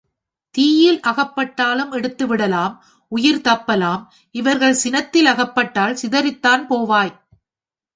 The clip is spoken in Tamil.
தீயில் அகப்பட்டாலும் எடுத்துவிடலாம் உயிர் தப்பலாம் இவர்கள் சினத்தில் அகப்பட்டால் சிதறித்தான் போவாய்.